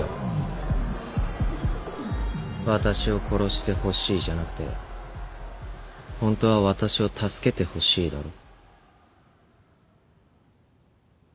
「私を殺してほしい」じゃなくてホントは「私を助けてほしい」だろ